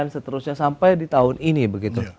seterusnya sampai di tahun ini begitu